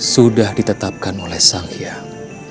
sudah ditetapkan oleh sang hyang